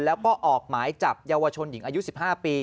แล้วก็ออกหมายจับเยาวชนหญิงอายุ๑๕ปี